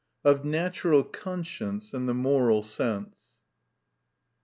Of Natural Conscience, and the Moral Sense.